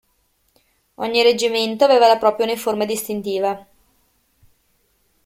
Ogni reggimento aveva la propria uniforme distintiva.